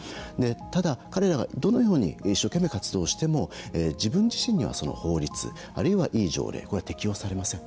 ただ、彼らがどのように一生懸命、活動しても自分自身にはその法律あるいは、いい条例これは適用されません。